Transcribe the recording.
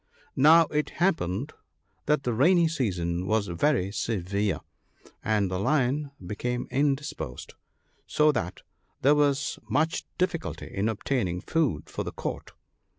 Now it happened that the rainy season was very severe, and the Lion became indisposed, so that there was much difficulty in obtaining food for the Court.